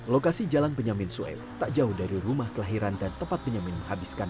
lokasi jalan benyamin sueb tak jauh dari rumah kelahiran dan tempat benyamin menghabiskan